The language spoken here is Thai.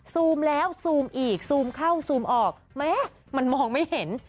ซูมแล้วซูมอีกซูมเข้าซูมออกแม่มันมองไม่เห็น